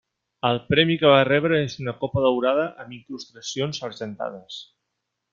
El premi que va rebre és una copa daurada amb incrustacions argentades.